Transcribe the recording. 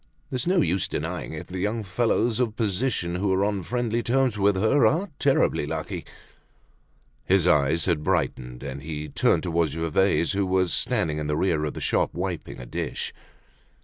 There's no use denying it, the young fellows of position who are on friendly terms with her are terribly lucky!" His eyes had brightened and he turned towards Gervaise who was standing in the rear of the shop wiping a dish.